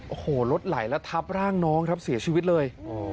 โอ้โหรถไหลแล้วทับร่างน้องครับเสียชีวิตเลย